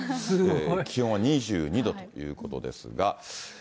気温は２２度ということですが。